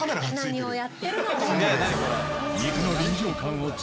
何をやってるの。